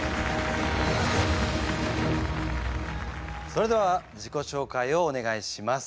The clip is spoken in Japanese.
それでは自己紹介をお願いします。